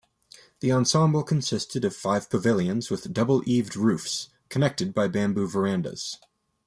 The ensemble consisted of five pavilions with double-eaved roofs connected by bamboo verandas.